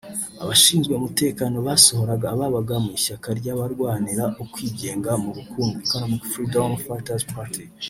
Abashinzwe umutekano basohora ababaga mu ishyaka ry’abarwanira ukwigenga mu bukungu (Economic Freedom Fighter’s Party)